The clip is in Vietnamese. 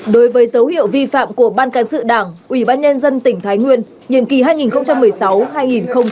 đối với dấu hiệu vi phạm của ban cán sự đảng ủy ban nhân dân tỉnh thái nguyên nhiệm kỳ hai nghìn một mươi sáu hai nghìn hai mươi